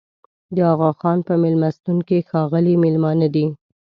د اغاخان په مېلمستون کې ښاغلي مېلمانه دي.